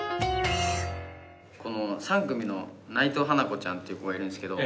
この３組の内藤華子ちゃんっていう子がいるんですけど。